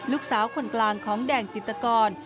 ลูกสาวคนกลางของแดงจิตกร